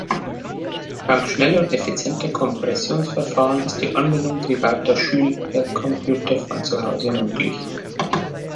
Dank schneller und effizienter Kompressionsverfahren ist die Anbindung privater Schüler-Computer von zu Hause möglich.